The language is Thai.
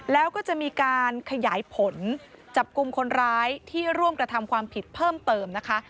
แล้วก็จะมีการขยายผลจับกลุ่มคนร้ายที่ร่วมกระทำความผิดเพิ่มเติมนะคะ